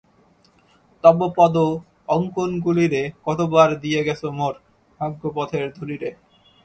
তব পদ-অঙ্কনগুলিরে কতবার দিয়ে গেছ মোর ভাগ্যপথের ধূলিরে।